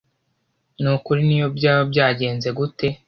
nukuri niyo byaba byagenze gute